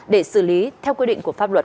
để xử lý theo quy định của pháp luật